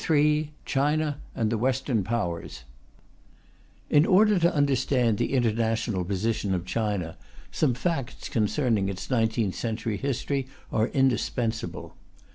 ] CHAPTER III CHINA AND THE WESTERN POWERS In order to understand the international position of China, some facts concerning its nineteenth century history are indispensable.